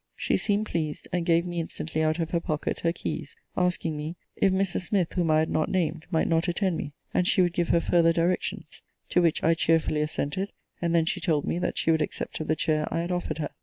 She seemed pleased; and gave me instantly out of her pocket her keys; asking me, If Mrs. Smith, whom I had named, might not attend me; and she would give her further directions? To which I cheerfully assented; and then she told me that she would accept of the chair I had offered her.